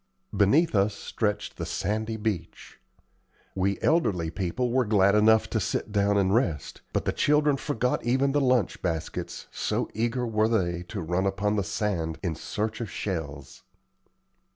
Beneath us stretched the sandy beach. We elderly people were glad enough to sit down and rest, but the children forgot even the lunch baskets, so eager were they to run upon the sand in search of shells.